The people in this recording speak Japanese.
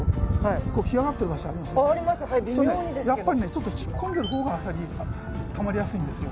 ちょっとひっこんでいるほうがアサリがたまりやすいんですよ。